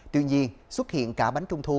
tuy nhiên xuất hiện cả bánh trung thu